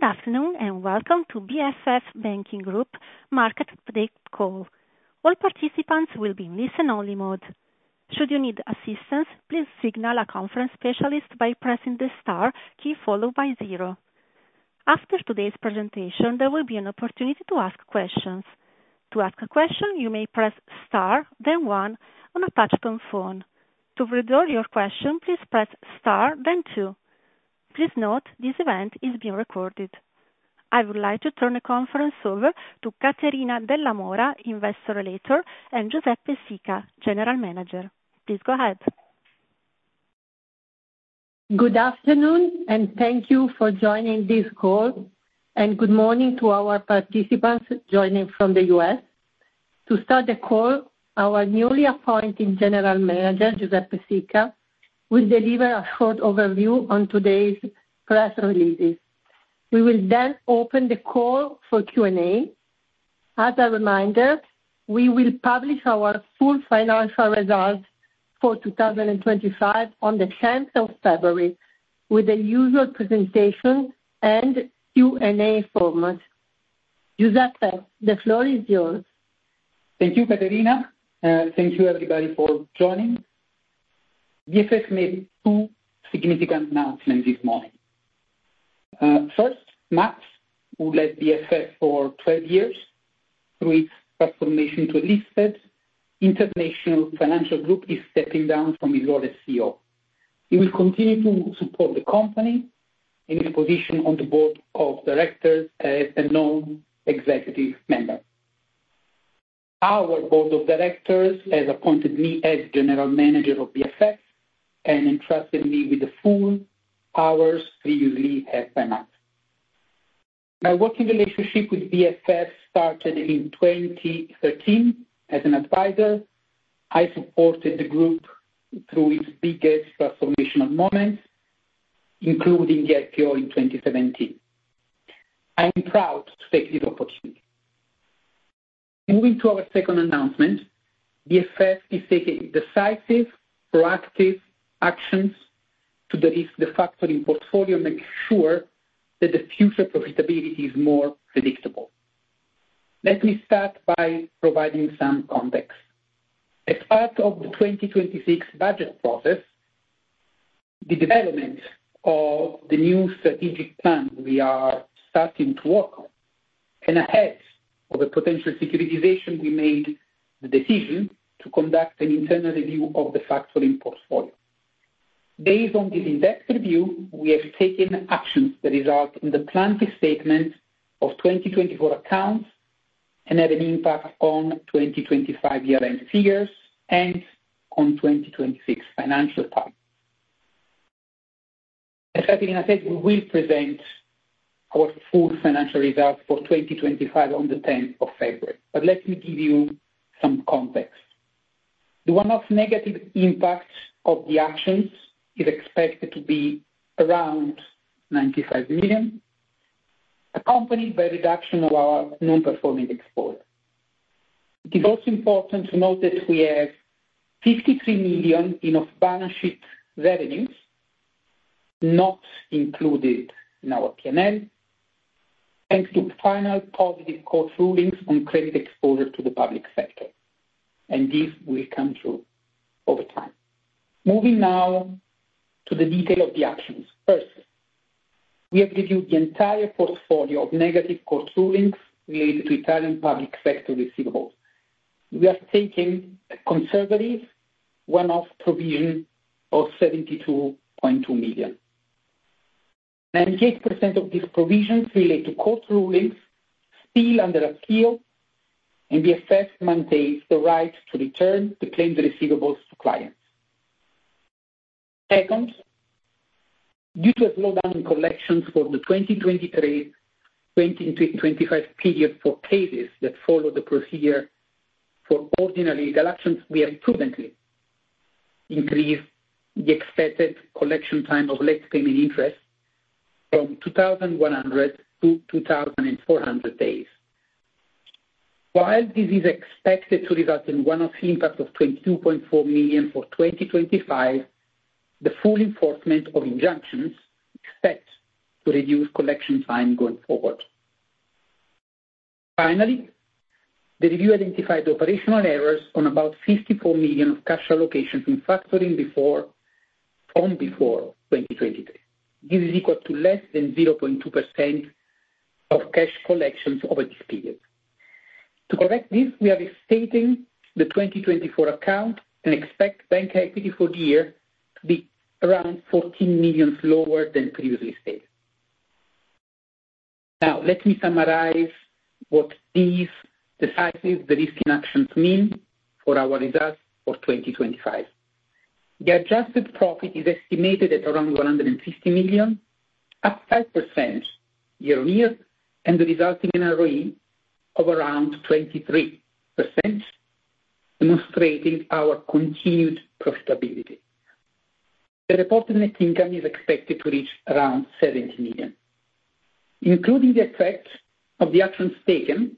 Good afternoon and welcome to BFF Banking Group Market Update Call. All participants will be in listen-only mode. Should you need assistance, please signal a conference specialist by pressing the star key followed by zero. After today's presentation, there will be an opportunity to ask questions. To ask a question, you may press star, then one, on a touch-tone phone. To redirect your question, please press star, then two. Please note, this event is being recorded. I would like to turn the conference over to Caterina Della Mora, Investor Relations, and Giuseppe Sica, General Manager. Please go ahead. Good afternoon and thank you for joining this call, and good morning to our participants joining from the U.S. To start the call, our newly appointed General Manager, Giuseppe Sica, will deliver a short overview on today's press releases. We will then open the call for Q&A. As a reminder, we will publish our full financial results for 2025 on the 10th of February with the usual presentation and Q&A format. Giuseppe, the floor is yours. Thank you, Caterina. Thank you, everybody, for joining. BFF made two significant announcements this morning. First, Max, who led BFF for 12 years through its transformation to a listed international financial group, is stepping down from his role as CEO. He will continue to support the company in his position on the board of directors as a non-executive member. Our Board of Directors has appointed me as General Manager of BFF and entrusted me with the full powers previously assigned. My working relationship with BFF started in 2013. As an advisor, I supported the group through its biggest transformational moments, including the IPO in 2017. I am proud to take this opportunity. Moving to our second announcement, BFF is taking decisive, proactive actions to de-risk the factoring portfolio to make sure that the future profitability is more predictable. Let me start by providing some context. As part of the 2026 budget process, the development of the new strategic plan we are starting to work on, and ahead of the potential securitization, we made the decision to conduct an internal review of the factoring portfolio. Based on this in-depth review, we have taken actions that result in the P&L statements of 2024 accounts and have an impact on 2025 year-end figures and on 2026 financials. As Caterina said, we will present our full financial results for 2025 on the 10th of February. But let me give you some context. The one-off negative impact of the actions is expected to be around 95 million accompanied by a reduction of our non-performing exposures. It is also important to note that we have 53 million in off-balance sheet revenues not included in our P&L thanks to final positive court rulings on credit exposure to the public sector, and this will come true over time. Moving now to the detail of the actions. First, we have reviewed the entire portfolio of negative court rulings related to Italian public sector receivables. We are taking a conservative one-off provision of 72.2 million. 98% of these provisions relate to court rulings still under appeal, and BFF maintains the right to return the claimed receivables to clients. Second, due to a slowdown in collections for the 2023-2025 period for cases that follow the procedure for ordinary legal actions, we have prudently increased the expected collection time of late-payment interest from 2,100-2,400 days. While this is expected to result in one-off impact of 22.4 million for 2025, the full enforcement of injunctions is set to reduce collection time going forward. Finally, the review identified operational errors on about 54 million of cash allocations in factoring from before 2023. This is equal to less than 0.2% of cash collections over this period. To correct this, we are restating the 2024 account and expect bank equity for the year to be around 14 million lower than previously stated. Now, let me summarize what these decisive de-risking actions mean for our results for 2025. The adjusted profit is estimated at around 150 million, up 5% year on year, and the resulting ROE of around 23%, demonstrating our continued profitability. The reported net income is expected to reach around 70 million. Including the effect of the actions taken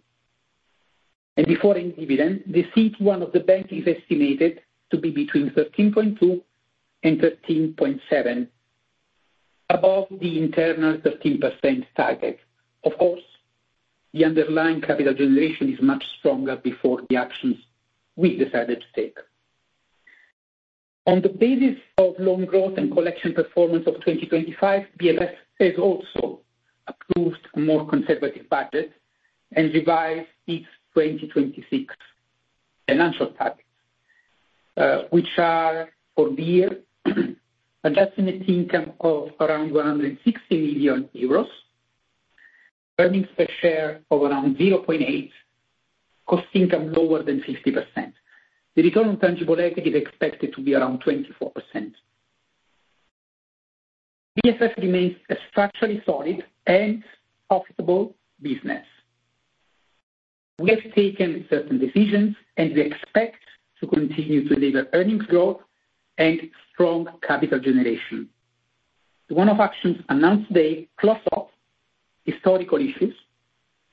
and before any dividend, the CET1 of the bank is estimated to be between 13.2 and 13.7, above the internal 13% target. Of course, the underlying capital generation is much stronger before the actions we decided to take. On the basis of loan growth and collection performance of 2025, BFF has also approved a more conservative budget and revised its 2026 financial targets, which are for the year adjusting net income of around 160 million euros, earnings per share of around 0.8, cost income lower than 50%. The return on tangible equity is expected to be around 24%. BFF remains a structurally solid and profitable business. We have taken certain decisions, and we expect to continue to deliver earnings growth and strong capital generation. The one-off actions announced today close off historical issues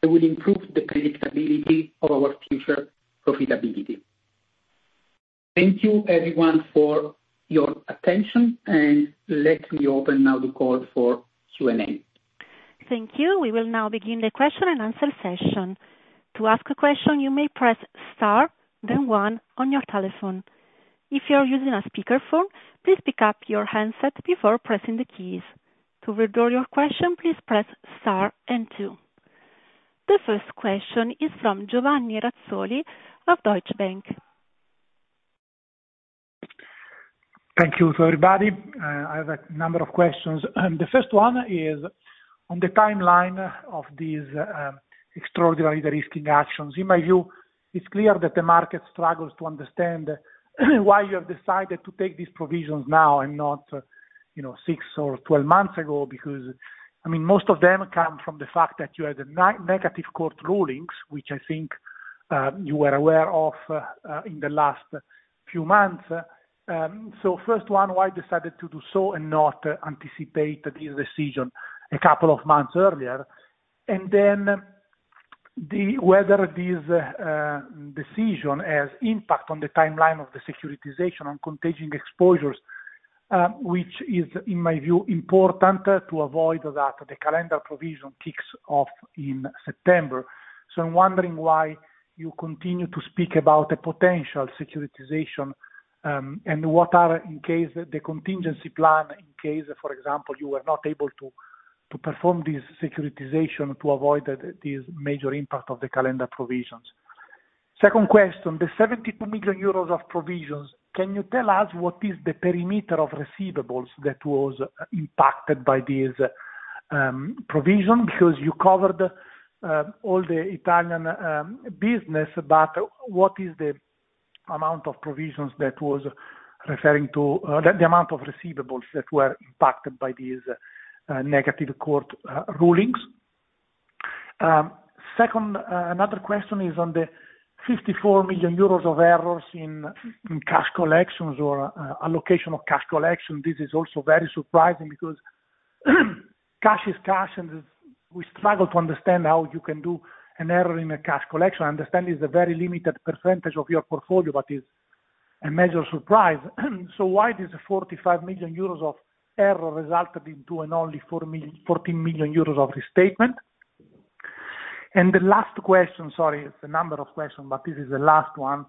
that will improve the predictability of our future profitability. Thank you, everyone, for your attention, and let me open now the call for Q&A. Thank you. We will now begin the question and answer session. To ask a question, you may press star, then one, on your telephone. If you are using a speakerphone, please pick up your handset before pressing the keys. To redirect your question, please press star and two. The first question is from Giovanni Razzoli of Deutsche Bank. Thank you to everybody. I have a number of questions. The first one is on the timeline of these extraordinarily de-risking actions. In my view, it's clear that the market struggles to understand why you have decided to take these provisions now and not 6 or 12 months ago because, I mean, most of them come from the fact that you had negative court rulings, which I think you were aware of in the last few months. So first one, why decided to do so and not anticipate this decision a couple of months earlier? And then whether this decision has impact on the timeline of the securitization on contagion exposures, which is, in my view, important to avoid that the calendar provision kicks off in September. So I'm wondering why you continue to speak about a potential securitization and what are in case the contingency plan in case, for example, you were not able to perform this securitization to avoid this major impact of the calendar provisions. Second question, the 72 million euros of provisions, can you tell us what is the perimeter of receivables that was impacted by this provision? Because you covered all the Italian business, but what is the amount of provisions that was referring to the amount of receivables that were impacted by these negative court rulings? Second, another question is on the 54 million euros of errors in cash collections or allocation of cash collection. This is also very surprising because cash is cash, and we struggle to understand how you can do an error in a cash collection. I understand it's a very limited percentage of your portfolio, but it's a major surprise. So why does the 45 million euros of error result in only 14 million euros of restatement? And the last question sorry, it's a number of questions, but this is the last one.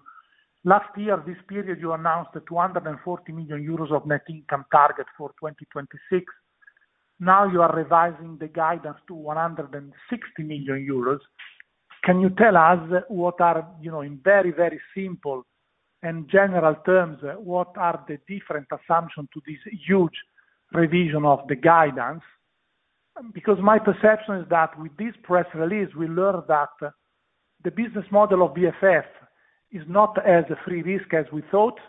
Last year, this period, you announced a 240 million euros of net income target for 2026. Now you are revising the guidance to 160 million euros. Can you tell us what are in very, very simple and general terms, what are the different assumptions to this huge revision of the guidance? Because my perception is that with this press release, we learned that the business model of BFF is not as free-risk as we thought,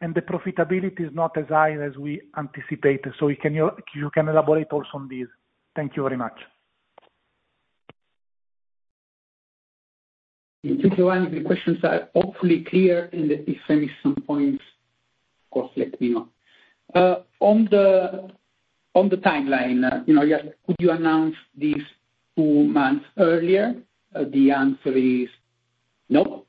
and the profitability is not as high as we anticipated. So if you can elaborate also on this, thank you very much. Thank you, Giovanni. The questions are hopefully clear, and if any points, of course, let me know. On the timeline, yes, could you announce this two months earlier? The answer is no.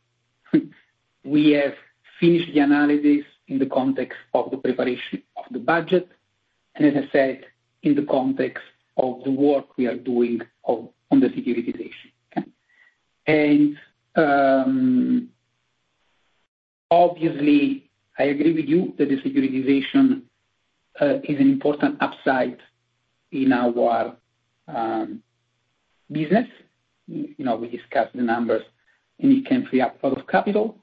We have finished the analysis in the context of the preparation of the budget and, as I said, in the context of the work we are doing on the securitization. Obviously, I agree with you that the securitization is an important upside in our business. We discussed the numbers, and it can free up a lot of capital.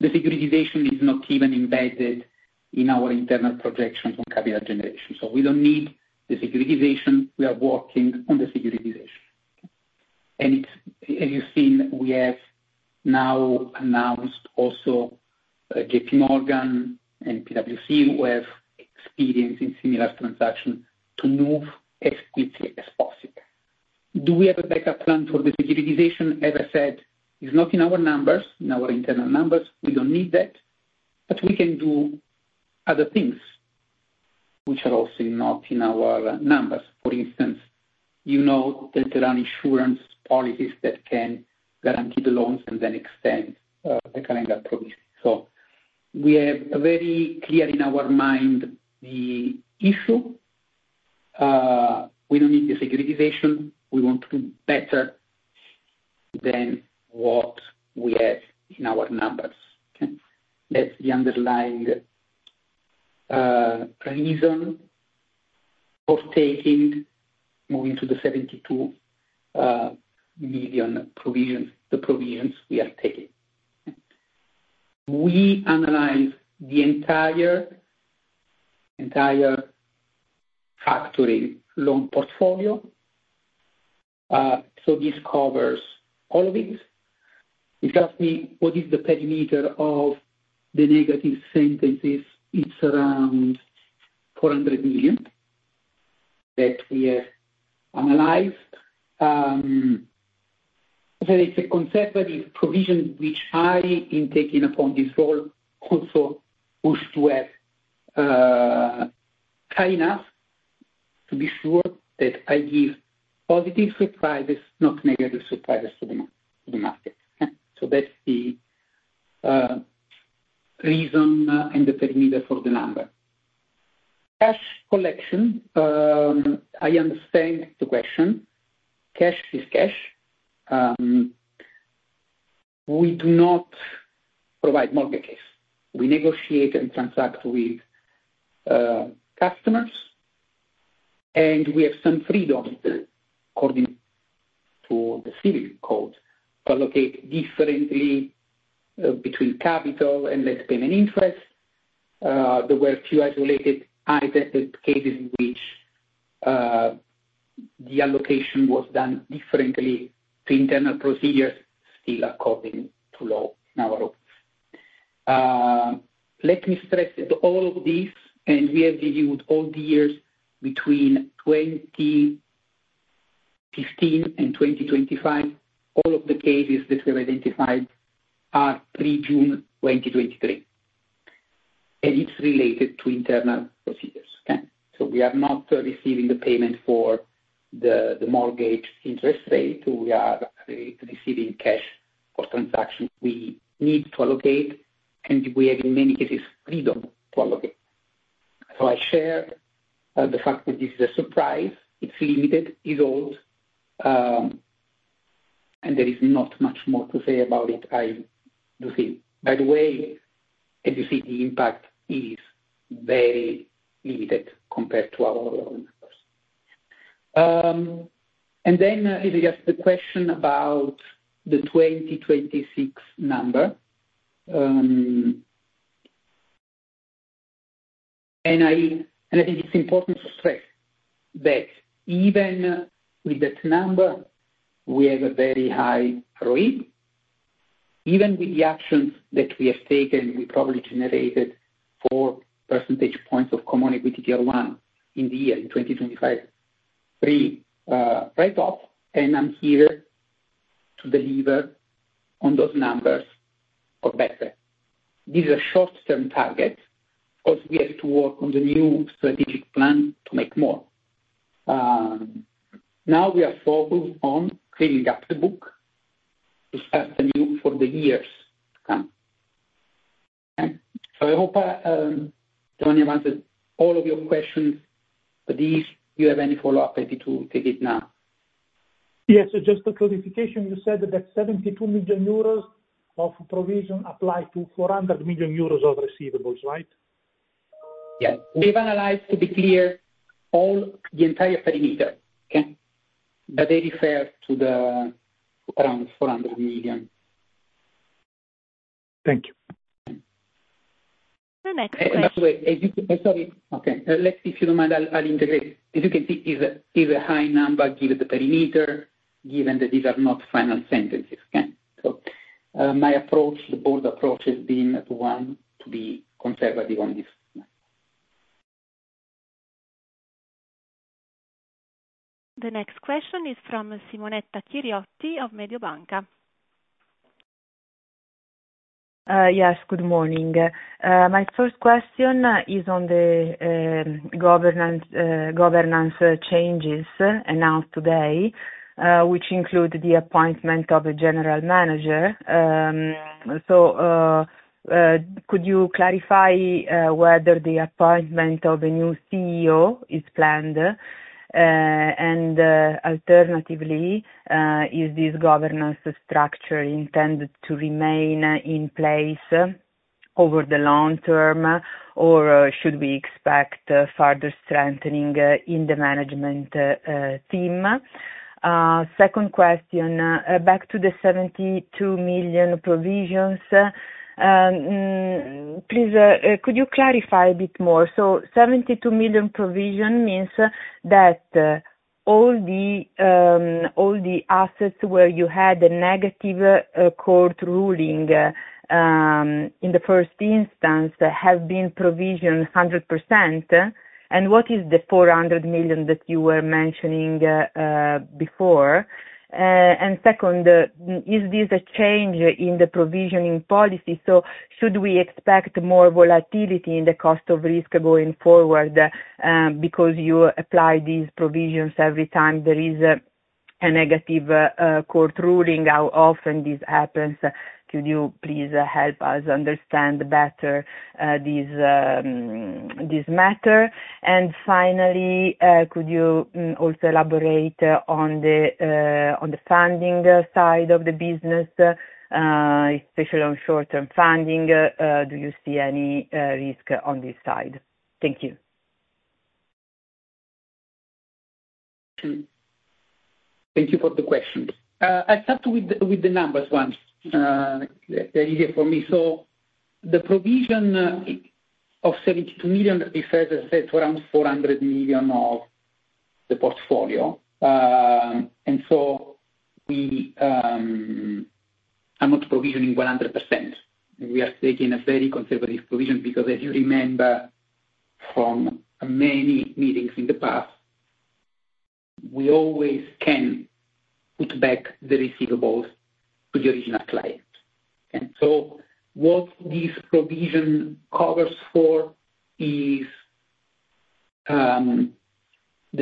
The securitization is not even embedded in our internal projections on capital generation. We don't need the securitization. We are working on the securitization. As you've seen, we have now announced also J.P. Morgan and PwC, who have experience in similar transactions, to move as quickly as possible. Do we have a backup plan for the securitization? As I said, it's not in our numbers, in our internal numbers. We don't need that. But we can do other things, which are also not in our numbers. For instance, you know that there are insurance policies that can guarantee the loans and then extend the calendar provisions. So we have very clear in our mind the issue. We don't need the securitization. We want to do better than what we have in our numbers. That's the underlying reason for taking moving to the 72 million provisions, the provisions we are taking. We analyze the entire factoring loan portfolio. So this covers all of it. It tells me what is the perimeter of the negative sentences. It's around 400 million that we have analyzed. As I said, it's a conservative provision, which I, in taking upon this role, also wish to have kind enough to be sure that I give positive surprises, not negative surprises to the market. So that's the reason and the perimeter for the number. Cash collection, I understand the question. Cash is cash. We do not provide mortgages. We negotiate and transact with customers. And we have some freedom according to the civil code to allocate differently between capital and late-payment interest. There were a few isolated cases in which the allocation was done differently to internal procedures, still according to law in our office. Let me stress that all of this, and we have reviewed all the years between 2015 and 2025, all of the cases that we have identified are pre-June 2023. And it's related to internal procedures. So we are not receiving the payment for the mortgage interest rate. We are receiving cash for transactions we need to allocate, and we have, in many cases, freedom to allocate. So I share the fact that this is a surprise. It's limited. It's old. And there is not much more to say about it, I do think. By the way, as you see, the impact is very limited compared to our other numbers. And then is just the question about the 2026 number. And I think it's important to stress that even with that number, we have a very high ROE. Even with the actions that we have taken, we probably generated 4 percentage points of Common Equity Tier 1 in the year, in 2025, 3 right off. And I'm here to deliver on those numbers or better. This is a short-term target because we have to work on the new strategic plan to make more. Now we are focused on cleaning up the book to start anew for the years to come. So I hope, Giovanni, I've answered all of your questions. But if you have any follow-up, I'd be happy to take it now. Yes. So just a clarification, you said that that 72 million euros of provision applies to 400 million euros of receivables, right? Yes. We've analyzed, to be clear, the entire perimeter, but they refer to around EUR 400 million. Thank you. The next question. And by the way, if you don't mind, I'll integrate. As you can see, it's a high number given the perimeter, given that these are not final sentences. So my approach, the board approach, has been to be conservative on this number. The next question is from Simonetta Chiriotti of Mediobanca. Yes. Good morning. My first question is on the governance changes announced today, which include the appointment of a general manager. So could you clarify whether the appointment of a new CEO is planned? And alternatively, is this governance structure intended to remain in place over the long term, or should we expect further strengthening in the management team? Second question, back to the 72 million provisions. Please, could you clarify a bit more? So 72 million provision means that all the assets where you had a negative court ruling in the first instance have been provisioned 100%. And what is the 400 million that you were mentioning before? And second, is this a change in the provisioning policy? So should we expect more volatility in the cost of risk going forward because you apply these provisions every time there is a negative court ruling? How often this happens? Could you please help us understand better this matter? Finally, could you also elaborate on the funding side of the business, especially on short-term funding? Do you see any risk on this side? Thank you. Thank you for the question. I'll start with the numbers once. They're easier for me. So the provision of 72 million, it refers, as I said, to around 400 million of the portfolio. And so we are not provisioning 100%. We are taking a very conservative provision because, as you remember from many meetings in the past, we always can put back the receivables to the original client. So what this provision covers for is the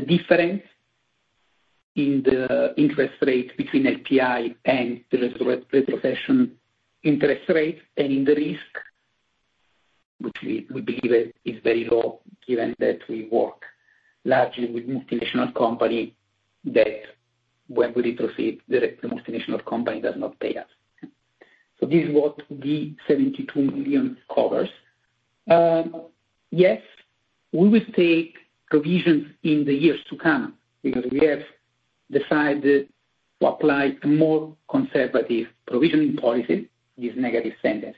difference in the interest rate between LPI and the reference interest rate and in the risk, which we believe is very low given that we work largely with multinational companies that when we retroceed, the multinational company does not pay us. So this is what the 72 million covers. Yes, we will take provisions in the years to come because we have decided to apply a more conservative provisioning policy. This negative sentence.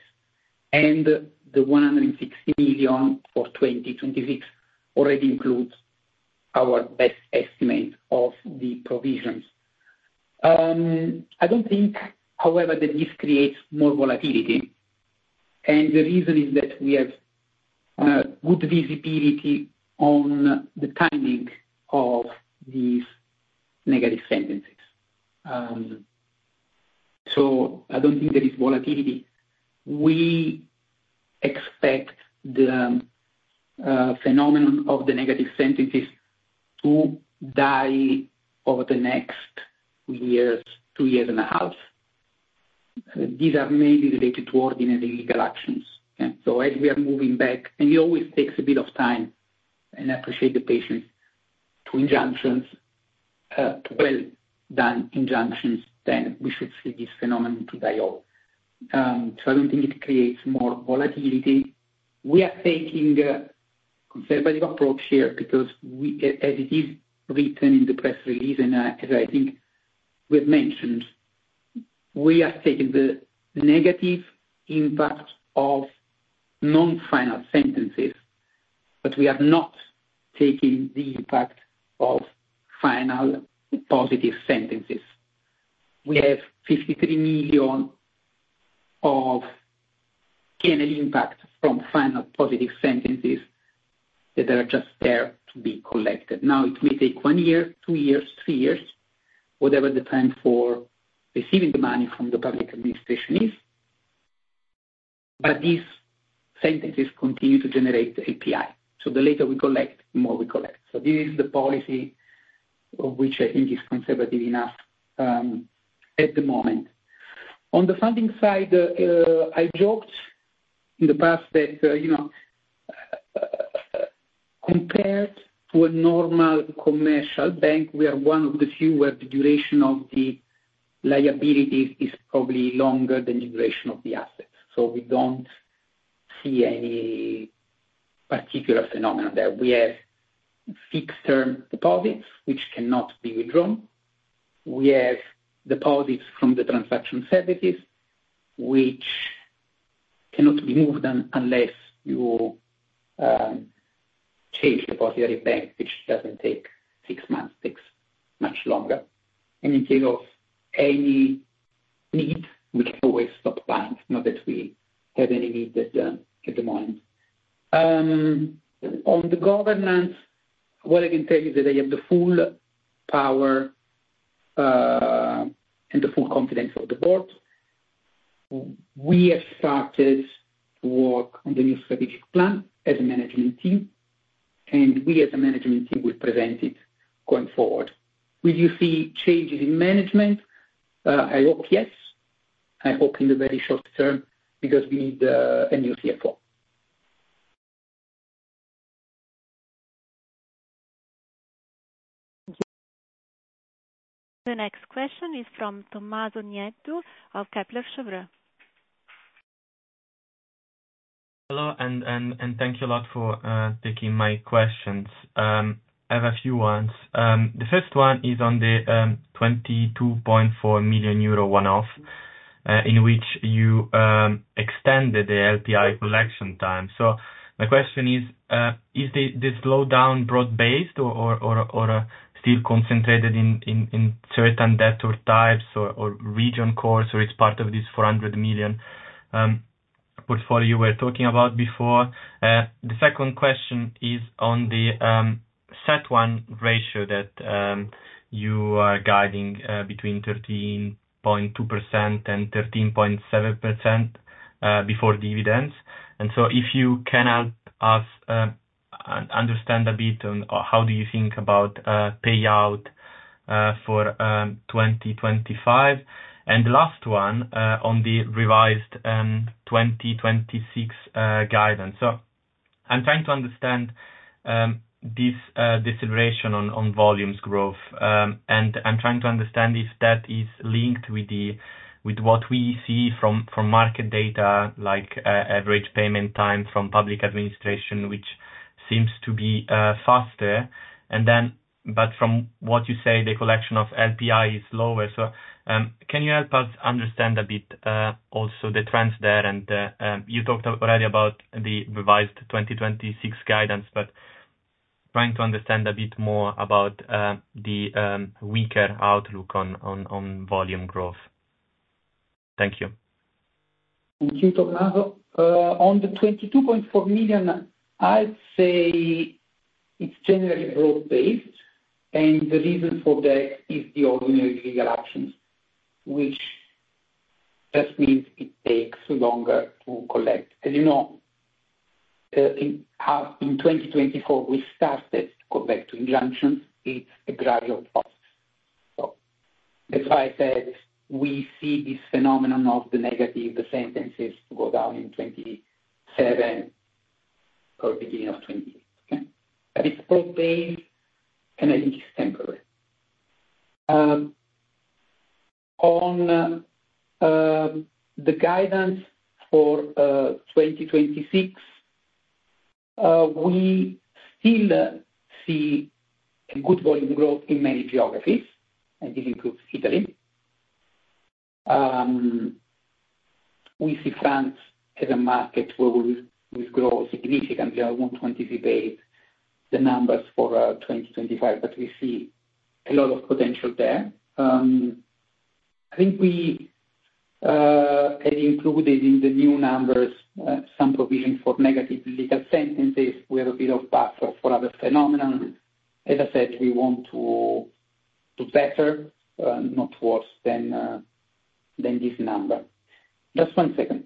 The 160 million for 2026 already includes our best estimate of the provisions. I don't think, however, that this creates more volatility. The reason is that we have good visibility on the timing of these negative sentences. I don't think there is volatility. We expect the phenomenon of the negative sentences to die over the next two years, two years and a half. These are mainly related to ordinary legal actions. As we are moving back and it always takes a bit of time, and I appreciate the patience, to injunctions, to well-done injunctions, then we should see this phenomenon to die off. I don't think it creates more volatility. We are taking a conservative approach here because, as it is written in the press release and as I think we have mentioned, we are taking the negative impact of non-final sentences, but we are not taking the impact of final positive sentences. We have 53 million of penalty impact from final positive sentences that are just there to be collected. Now, it may take one year, two years, three years, whatever the time for receiving the money from the public administration is. But these sentences continue to generate LPI. So the later we collect, the more we collect. So this is the policy of which I think is conservative enough at the moment. On the funding side, I joked in the past that compared to a normal commercial bank, we are one of the few where the duration of the liabilities is probably longer than the duration of the assets. So we don't see any particular phenomenon there. We have fixed-term deposits, which cannot be withdrawn. We have deposits from the transaction services, which cannot be moved unless you change the depository bank, which doesn't take 6 months, takes much longer. And in case of any need, we can always stop buying, not that we have any need at the moment. On the governance, what I can tell you is that I have the full power and the full confidence of the board. We have started to work on the new strategic plan as a management team. And we, as a management team, will present it going forward. Will you see changes in management? I hope yes. I hope in the very short term because we need a new CFO. The next question is from Tommaso Nieddu of Kepler Cheuvreux. Hello. Thank you a lot for taking my questions. I have a few ones. The first one is on the 22.4 million euro one-off in which you extended the LPI collection time. So my question is, is this slowdown broad-based or still concentrated in certain debtors or types or regions or sectors, or it's part of this 400 million portfolio we were talking about before? The second question is on the CET1 ratio that you are guiding between 13.2%-13.7% before dividends. So if you can help us understand a bit on how do you think about payout for 2025? The last one on the revised 2026 guidance. So I'm trying to understand this acceleration on volumes growth. And I'm trying to understand if that is linked with what we see from market data, like average payment time from public administration, which seems to be faster. But from what you say, the collection of LPI is lower. So can you help us understand a bit also the trends there? And you talked already about the revised 2026 guidance, but trying to understand a bit more about the weaker outlook on volume growth. Thank you. Thank you, Tommaso. On the 22.4 million, I'd say it's generally broad-based. The reason for that is the ordinary legal actions, which just means it takes longer to collect. As you know, in 2024, we started to go back to injunctions. It's a gradual process. That's why I said we see this phenomenon of the negative sentences to go down in 2027 or beginning of 2028. But it's broad-based, and I think it's temporary. On the guidance for 2026, we still see a good volume growth in many geographies. This includes Italy. We see France as a market where we will grow significantly. I won't anticipate the numbers for 2025, but we see a lot of potential there. I think we had included in the new numbers some provision for negative legal sentences. We have a bit of buffer for other phenomena. As I said, we want to do better, not worse, than this number. Just one second.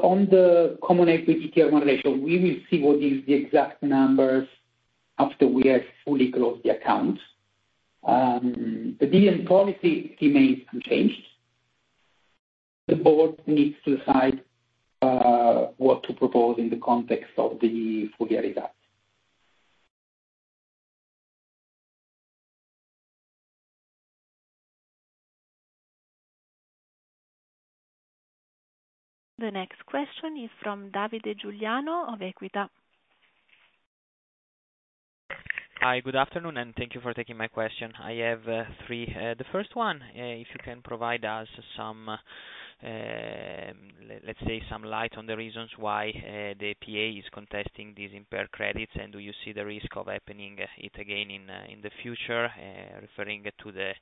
On the Common Equity Tier 1 ratio, we will see what is the exact numbers after we have fully closed the accounts. The dividend policy remains unchanged. The board needs to decide what to propose in the context of the fully audited accounts. The next question is from Davide Giuliano of Equita. Hi. Good afternoon. And thank you for taking my question. I have three. The first one, if you can provide us, let's say, some light on the reasons why the PA is contesting these impaired credits, and do you see the risk of happening it again in the future, referring to the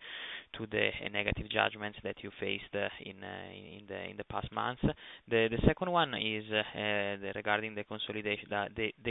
negative judgments that you faced in the past months? The second one is regarding the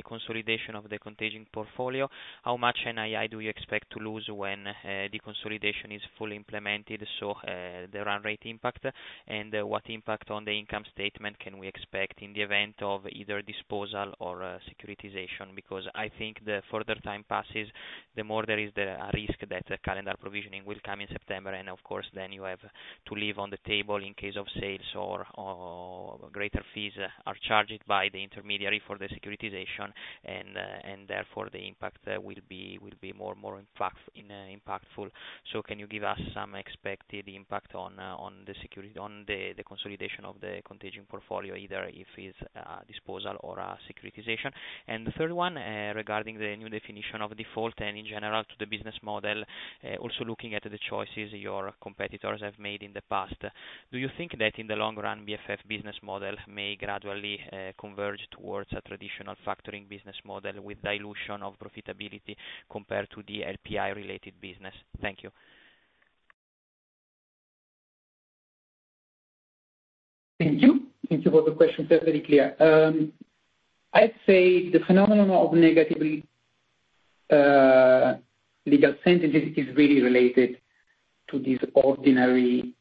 consolidation of the contagion portfolio. How much NII do you expect to lose when the consolidation is fully implemented, so the run rate impact, and what impact on the income statement can we expect in the event of either disposal or securitization? Because I think the further time passes, the more there is a risk that calendar provisioning will come in September. And of course, then you have to leave on the table in case of sales or greater fees are charged by the intermediary for the securitization, and therefore, the impact will be more impactful. So can you give us some expected impact on the consolidation of the contagion portfolio, either if it's a disposal or a securitization? And the third one regarding the new definition of default and, in general, to the business model, also looking at the choices your competitors have made in the past. Do you think that in the long run, BFF business model may gradually converge towards a traditional factoring business model with dilution of profitability compared to the LPI-related business? Thank you. Thank you. Thank you for the question. They're very clear. I'd say the phenomenon of negative legal sentences is really related to this ordinary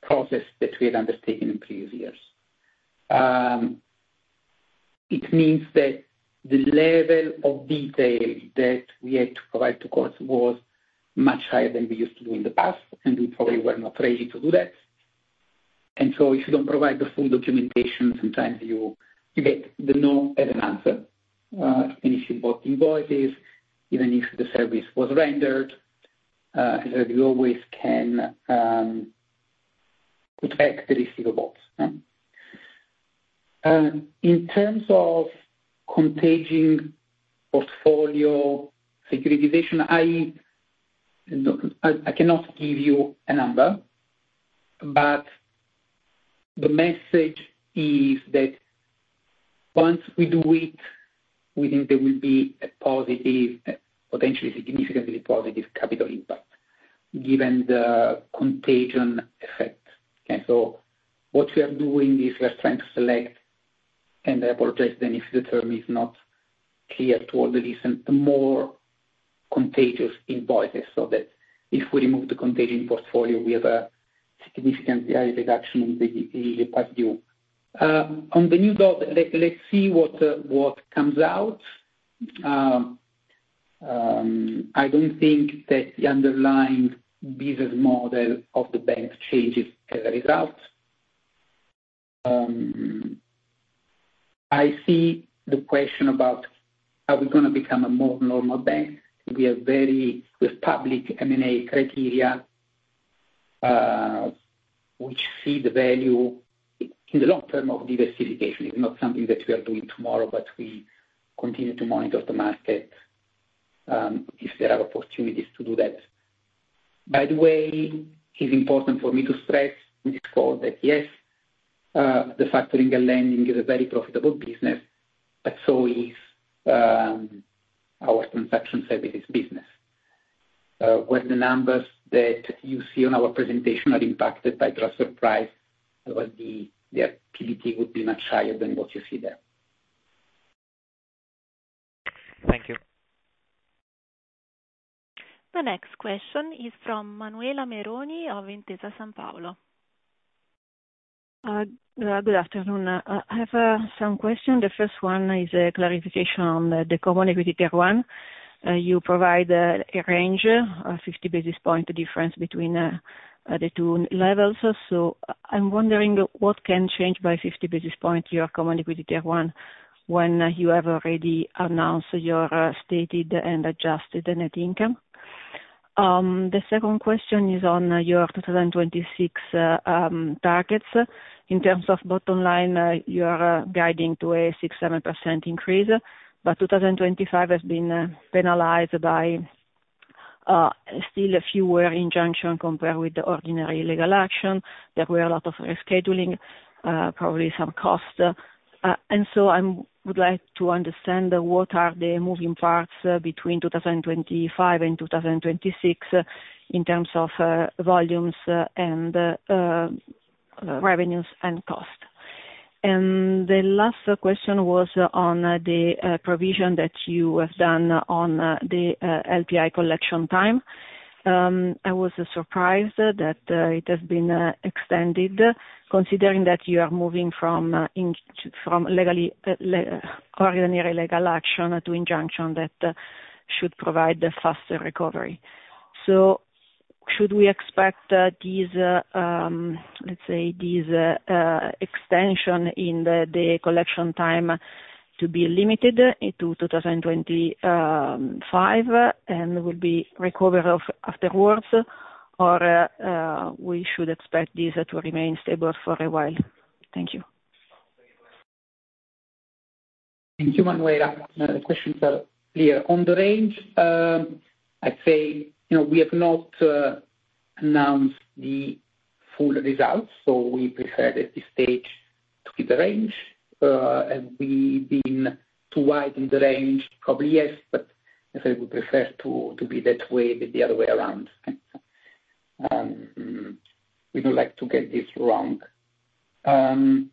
process that we had undertaken in previous years. It means that the level of detail that we had to provide to courts was much higher than we used to do in the past, and we probably were not ready to do that. So if you don't provide the full documentation, sometimes you get the no as an answer. And if you bought invoices, even if the service was rendered, as I said, you always can protect the receiver box. In terms of Contagion Portfolio securitization, I cannot give you a number. But the message is that once we do it, we think there will be a potentially significantly positive capital impact given the contagion effect. So what we are doing is we are trying to select, and I apologize then if the term is not clear to all the listeners, the more contagion invoices so that if we remove the contagion portfolio, we have a significant reduction in the past due. On the new book, let's see what comes out. I don't think that the underlying business model of the bank changes as a result. I see the question about how we're going to become a more normal bank. We have public M&A criteria which see the value in the long term of diversification. It's not something that we are doing tomorrow, but we continue to monitor the market if there are opportunities to do that. By the way, it's important for me to stress in this call that, yes, the factoring and lending is a very profitable business, but so is our transaction services business. Where the numbers that you see on our presentation are impacted by trust surprise, the activity would be much higher than what you see there. Thank you. The next question is from Manuela Meroni of Intesa Sanpaolo. Good afternoon. I have some questions. The first one is a clarification on the Common Equity Tier 1. You provide a range, a 50 basis point difference between the two levels. So I'm wondering what can change by 50 basis point your Common Equity Tier 1 when you have already announced your stated and adjusted net income? The second question is on your 2026 targets. In terms of bottom line, you are guiding to a 6%-7% increase. But 2025 has been penalized by still fewer injunctions compared with the ordinary legal action. There were a lot of rescheduling, probably some cost. And so I would like to understand what are the moving parts between 2025 and 2026 in terms of volumes and revenues and cost. And the last question was on the provision that you have done on the LPI collection time. I was surprised that it has been extended considering that you are moving from ordinary legal action to injunction that should provide faster recovery. So should we expect these, let's say, this extension in the collection time to be limited to 2025 and will be recovered afterwards, or we should expect this to remain stable for a while? Thank you. Thank you, Manuela. The question is clear. On the range, I'd say we have not announced the full results. We prefer at this stage to keep the range. Have we been too wide in the range? Probably yes, but I'd say we prefer to be that way than the other way around. We don't like to get this wrong. On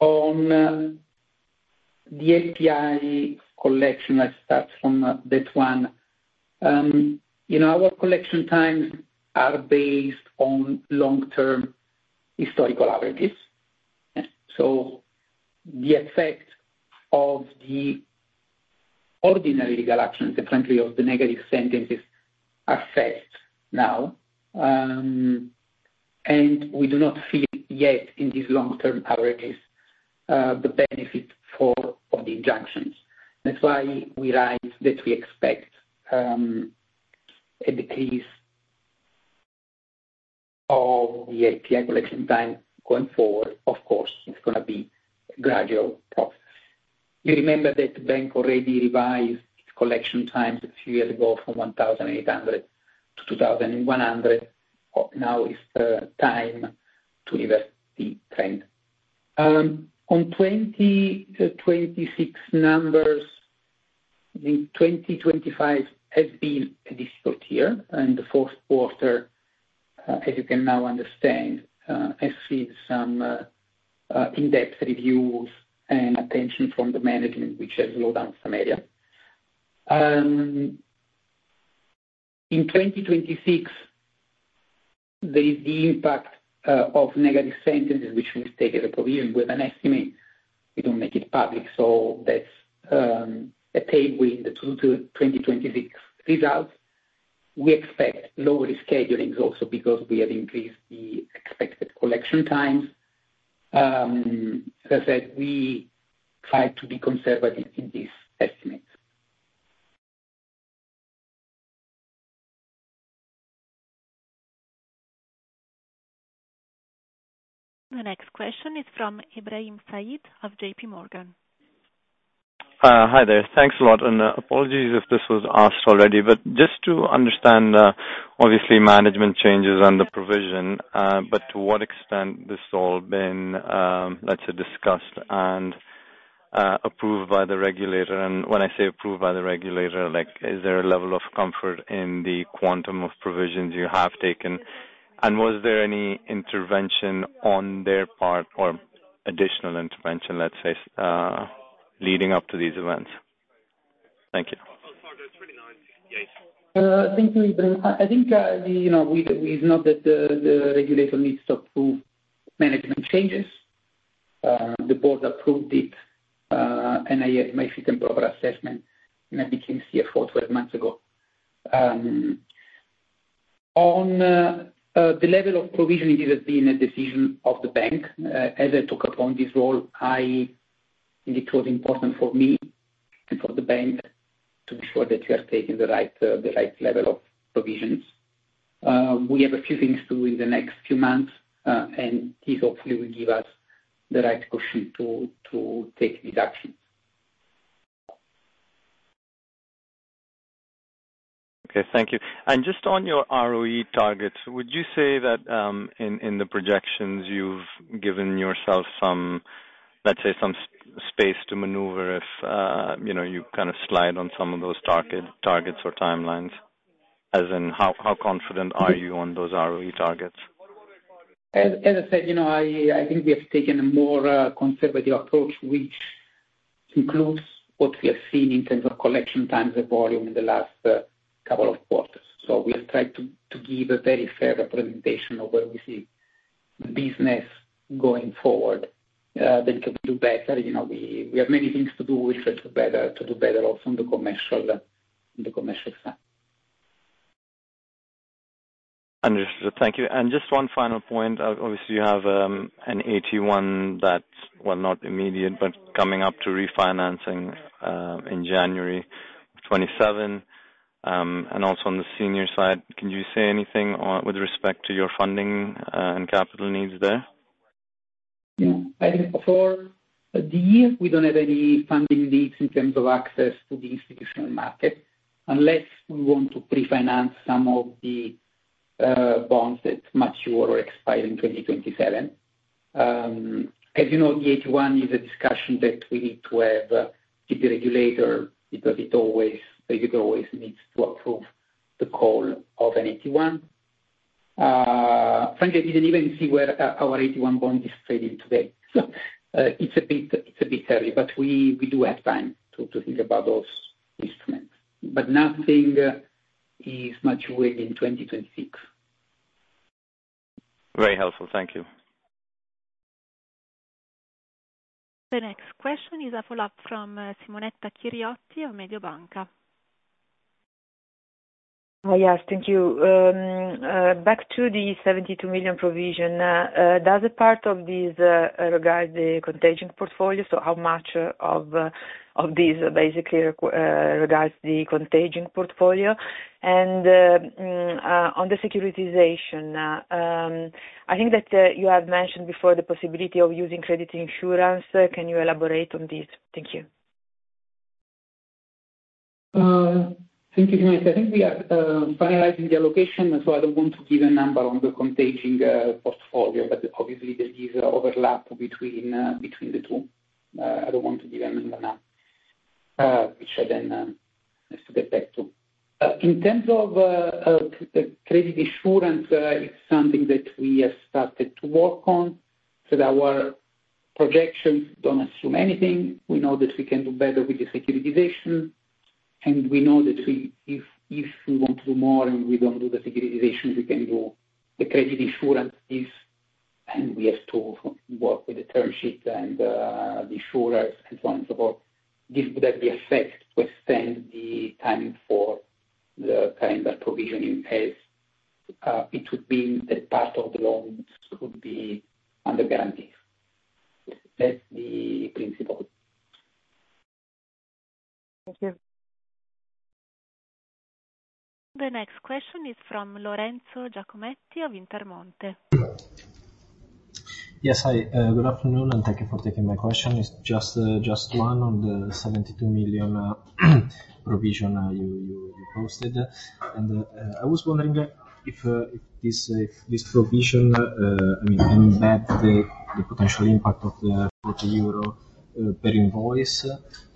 the LPI collection, let's start from that one. Our collection times are based on long-term historical averages. The effect of the ordinary legal actions, and frankly, of the negative sentences, affects now. We do not feel yet in these long-term averages the benefit of the injunctions. That's why we write that we expect a decrease of the LPI collection time going forward. Of course, it's going to be a gradual process. You remember that the bank already revised its collection times a few years ago from 1,800 to 2,100. Now it's time to reverse the trend. On 2026 numbers, I think 2025 has been a difficult year. The fourth quarter, as you can now understand, has seen some in-depth reviews and attention from the management, which has slowed down some areas. In 2026, there is the impact of negative sentences, which we take as a provision. We have an estimate. We don't make it public. That's a tailwind through the 2026 results. We expect lower reschedulings also because we have increased the expected collection times. As I said, we try to be conservative in these estimates. The next question is from Ibrahim Syed of J.P. Morgan. Hi there. Thanks a lot. Apologies if this was asked already. Just to understand, obviously, management changes and the provision, but to what extent this has all been, let's say, discussed and approved by the regulator? And when I say approved by the regulator, is there a level of comfort in the quantum of provisions you have taken? And was there any intervention on their part or additional intervention, let's say, leading up to these events? Thank you. Thank you, Ibrahim. I think it's not that the regulator needs to approve management changes. The board approved it, and I made a proper assessment, and I became CFO 12 months ago. On the level of provision, it has been a decision of the bank. As I took upon this role, I think it was important for me and for the bank to be sure that we are taking the right level of provisions. We have a few things to do in the next few months, and this, hopefully, will give us the right cushion to take these actions. Okay. Thank you. Just on your ROE targets, would you say that in the projections, you've given yourself, let's say, some space to maneuver if you kind of slide on some of those targets or timelines? As in, how confident are you on those ROE targets? As I said, I think we have taken a more conservative approach, which includes what we have seen in terms of collection times and volume in the last couple of quarters. So we have tried to give a very fair representation of where we see the business going forward. Then can we do better? We have many things to do. We'll try to do better also on the commercial side. Understood. Thank you. And just one final point. Obviously, you have an AT1 that, well, not immediate, but coming up to refinancing in January 2027. And also on the senior side, can you say anything with respect to your funding and capital needs there? Yeah. I think for the year, we don't have any funding needs in terms of access to the institutional market unless we want to pre-finance some of the bonds that mature or expire in 2027. As you know, the AT1 is a discussion that we need to have with the regulator because it always needs to approve the call of an AT1. Frankly, I didn't even see where our AT1 bond is trading today. So it's a bit early. But we do have time to think about those instruments. But nothing is maturing in 2026. Very helpful. Thank you. The next question is a follow-up from Simonetta Chiriotti of Mediobanca. Yes. Thank you. Back to the 72 million provision. Does a part of this regard the contagion portfolio? So how much of this basically regards the contagion portfolio? And on the securitization, I think that you have mentioned before the possibility of using credit insurance. Can you elaborate on this? Thank you. Thank you, Simonetta. I think we are finalizing the allocation. So I don't want to give a number on the contagion portfolio. But obviously, there is overlap between the two. I don't want to give a number now, which I then have to get back to. In terms of credit insurance, it's something that we have started to work on. So our projections don't assume anything. We know that we can do better with the securitization. And we know that if we want to do more and we don't do the securitization, we can do the credit insurance piece. And we have to work with the term sheet and the insurers and so on and so forth. This would have the effect to extend the time for the current provisioning as it would mean that part of the loans would be under guarantees. That's the principle. Thank you. The next question is from Lorenzo Giacometti of Intermonte. Yes. Good afternoon. Thank you for taking my question. It's just one on the 72 million provision you posted. I was wondering if this provision embeds the potential impact of the 40 euro per invoice.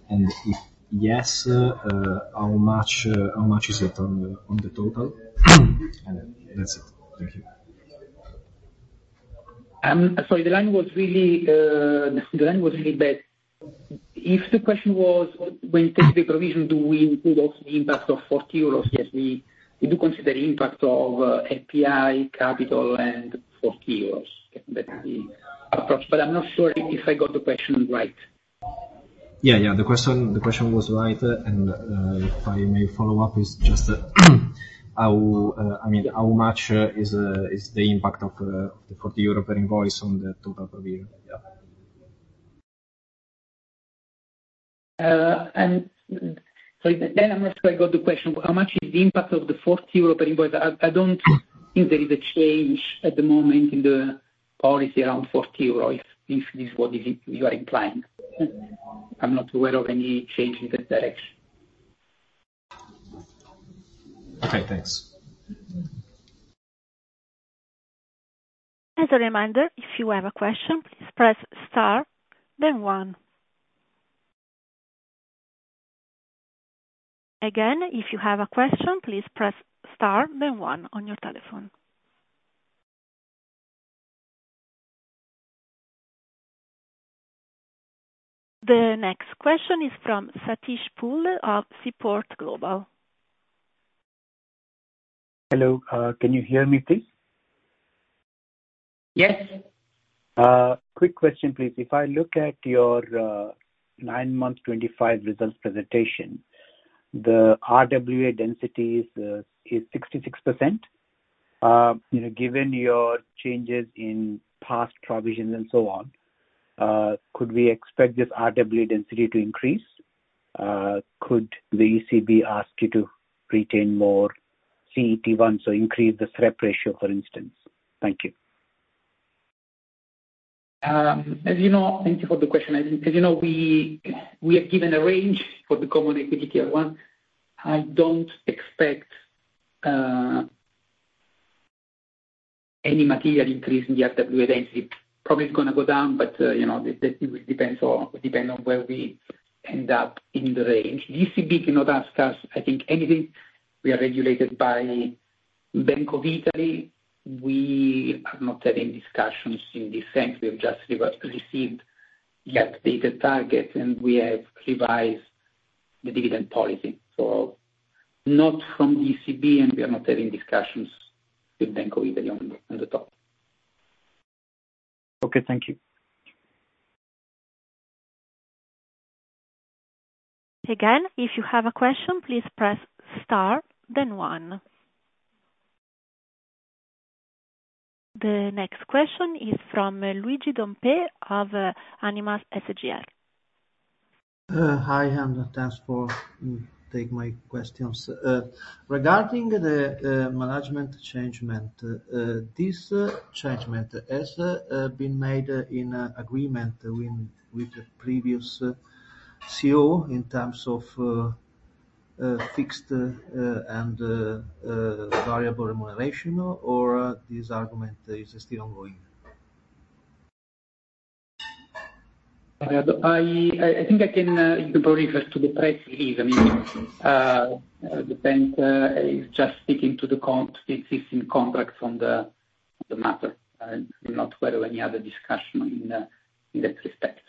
If yes, how much is it on the total? That's it. Thank you. Sorry. The line was really the line was really bad. If the question was, when you take the provision, do we include also the impact of 40 euros? Yes, we do consider the impact of LPI, capital, and 40 euros. That's the approach. But I'm not sure if I got the question right. Yeah. Yeah. The question was right. And if I may follow up, it's just, I mean, how much is the impact of the EUR 40 per invoice on the total provision? Yeah. Sorry. I'm not sure I got the question. How much is the impact of the 40 euro per invoice? I don't think there is a change at the moment in the policy around 40 euro if this is what you are implying. I'm not aware of any change in that direction. Okay. Thanks. As a reminder, if you have a question, please press star, then one. Again, if you have a question, please press star, then one on your telephone. The next question is from Satish Pulle of Seaport Global. Hello. Can you hear me, please? Yes. Quick question, please. If I look at your 9-month 2025 results presentation, the RWA density is 66%. Given your changes in past provisions and so on, could we expect this RWA density to increase? Could the ECB ask you to retain more CET1, so increase the SREP ratio, for instance? Thank you. As you know, thank you for the question. As you know, we have given a range for the Common Equity Tier 1. I don't expect any material increase in the RWA density. Probably it's going to go down, but it will depend on where we end up in the range. The ECB cannot ask us, I think, anything. We are regulated by the Bank of Italy. We have not had any discussions in this sense. We have just received the updated target, and we have revised the dividend policy. So not from the ECB, and we are not having discussions with the Bank of Italy on the top. Okay. Thank you. Again, if you have a question, please press star, then one. The next question is from Luigi Dompé of Anima SGR. Hi, and thanks for taking my questions. Regarding the management change, this change has been made in agreement with the previous CEO in terms of fixed and variable remuneration, or this argument is still ongoing? I think you can probably refer to the press release. I mean, the bank is just speaking to the existing contracts on the matter. I'm not aware of any other discussion in that respect.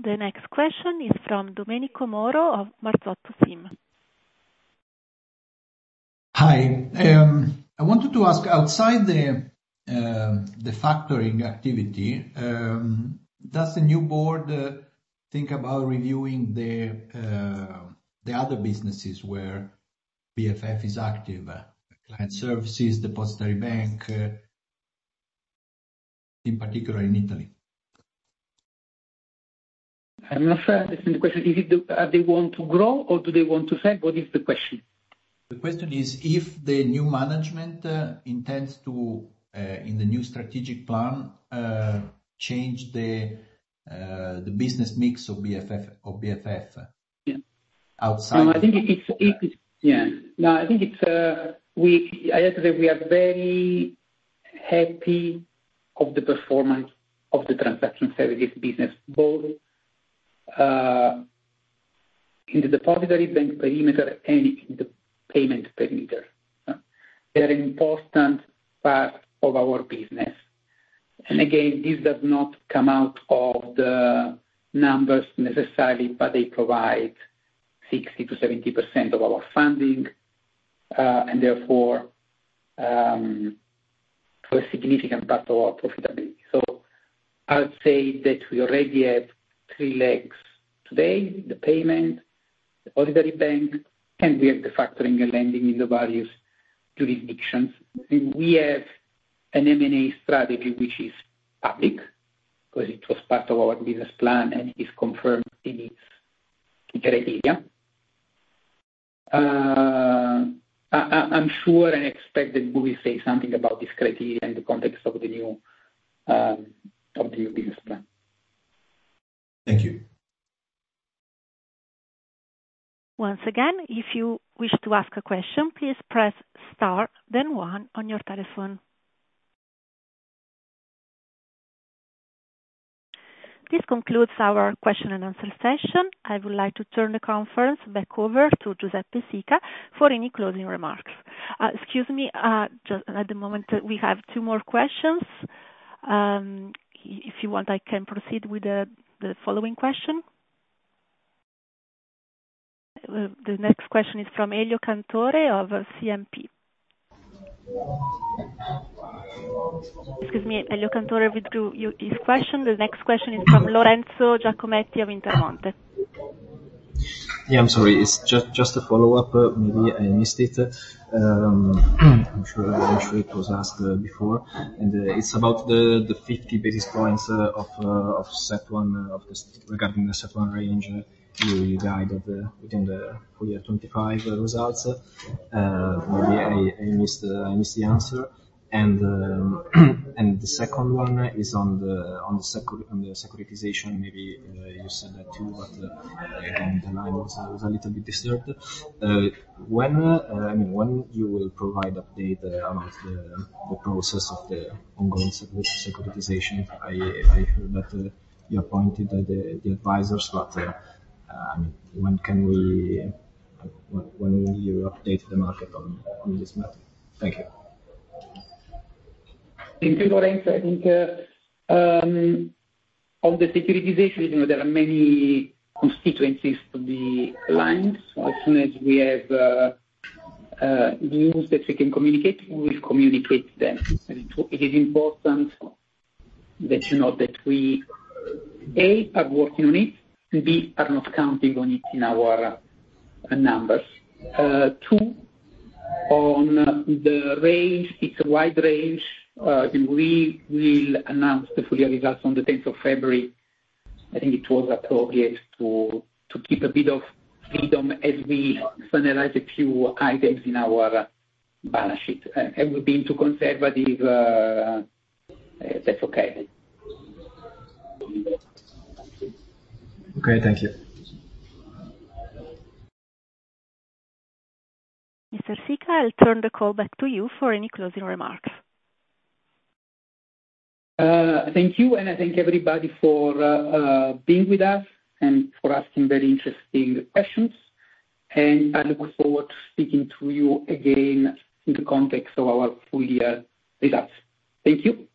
The next question is from Domenico Moro of Marzotto SIM. Hi. I wanted to ask, outside the factoring activity, does the new board think about reviewing the other businesses where BFF is active: client services, depository bank, in particular, in Italy? I'm not sure I understand the question. Are they want to grow, or do they want to sell? What is the question? The question is if the new management intends to, in the new strategic plan, change the business mix of BFF outside of? I think it's as I said, we are very happy with the performance of the transaction services business, both in the depository bank perimeter and in the payment perimeter. They are an important part of our business. And again, this does not come out of the numbers necessarily, but they provide 60%-70% of our funding and, therefore, a significant part of our profitability. So I would say that we already have three legs today: the payment, depository bank, and we have the factoring and lending in the various jurisdictions. We have an M&A strategy which is public because it was part of our business plan, and it is confirmed in its criteria. I'm sure and expect that we will say something about this criteria in the context of the new business plan. Thank you. Once again, if you wish to ask a question, please press star, then one, on your telephone. This concludes our question-and-answer session. I would like to turn the conference back over to Giuseppe Sica for any closing remarks. Excuse me. At the moment, we have two more questions. If you want, I can proceed with the following question. The next question is from Elio Cantore of CMB. Excuse me. Elio Cantore withdrew his question. The next question is from Lorenzo Giacometti of Intermonte. Yeah. I'm sorry. It's just a follow-up. Maybe I missed it. I'm sure it was asked before. And it's about the 50 basis points regarding the CET1 range you guided within the 2025 results. Maybe I missed the answer. And the second one is on the securitization. Maybe you said that too, but again, the line was a little bit disturbed. I mean, when you will provide update about the process of the ongoing securitization? I heard that you appointed the advisors. But I mean, when can we when will you update the market on this matter? Thank you. Thank you, Lorenzo. I think on the securitization, there are many constituencies to be aligned. So as soon as we have news that we can communicate, we will communicate them. It is important that you know that we, A, are working on it, and, B, are not counting on it in our numbers. Two, on the range, it's a wide range. We will announce the full results on the 10th of February. I think it was appropriate to keep a bit of freedom as we finalize a few items in our balance sheet. Have we been too conservative? That's okay. Okay. Thank you. Mr. Sica, I'll turn the call back to you for any closing remarks. Thank you. I thank everybody for being with us and for asking very interesting questions. I look forward to speaking to you again in the context of our full year results. Thank you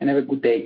and have a good day.